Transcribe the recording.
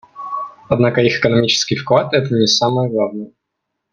Однако их экономический вклад — это не самое главное.